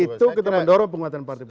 itu kita mendorong penguatan partai